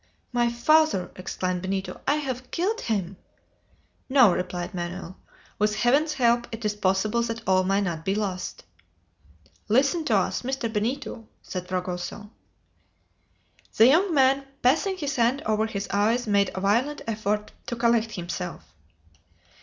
"My father!" exclaimed Benito. "I have killed him!" "No!" replied Manoel. "With heaven's help it is possible that all may not be lost!" "Listen to us, Mr. Benito," said Fragoso. The young man, passing his hand over his eyes, made a violent effort to collect himself.